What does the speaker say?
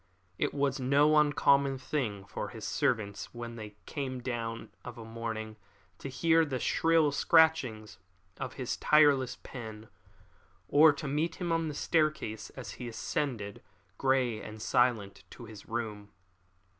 It was no uncommon thing for his servants, when they came down of a morning, to hear the shrill scratchings of his tireless pen, or to meet him on the staircase as he ascended, grey and silent, to his room.